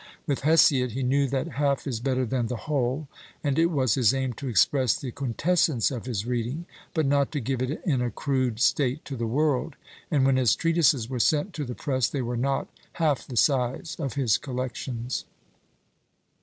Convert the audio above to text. With Hesiod he knew that "half is better than the whole," and it was his aim to express the quintessence of his reading, but not to give it in a crude state to the world, and when his treatises were sent to the press, they were not half the size of his collections.